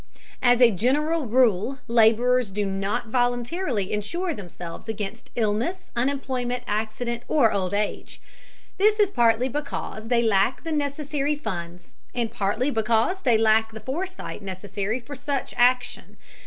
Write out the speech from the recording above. As a general rule, laborers do not voluntarily insure themselves against illness, unemployment, accident, or old age. This is partly because they lack the necessary funds, and partly because they lack the foresight necessary for such action.